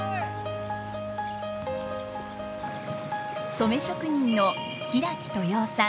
染職人の平木豊男さん。